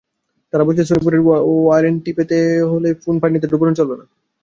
তারা বলছে, সনি ফোনের ওয়ারেন্টি পেতে হলে ফোন পানিতে ডুবানো চলবে না।